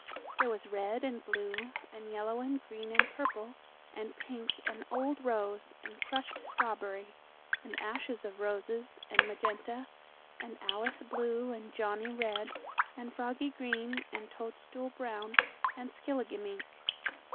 There was red and blue and yellow and green and purple and pink and old rose and crushed strawberry and ashes of roses and magenta and Alice blue and Johnnie red and Froggie green and toadstool brown and skilligimink.